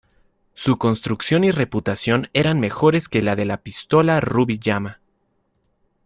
Su construcción y reputación eran mejores que la de la pistola Ruby Llama.